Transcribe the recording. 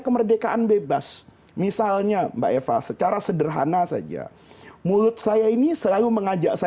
kemerdekaan bebas misalnya mbak eva secara sederhana saja mulut saya ini selalu mengajak saya